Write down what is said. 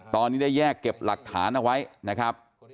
ตอนนี้ได้แยกเก็บหลักฐานเอาไว้นะครับ